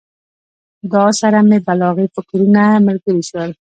دعا سره مې بلاغي فکرونه ملګري شول.